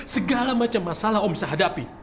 segala macam masalah om sehadapi